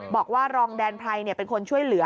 บอกว่ารองแดนไพรเป็นคนช่วยเหลือ